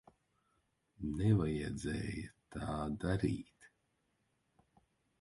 Nevajadzēja tā darīt.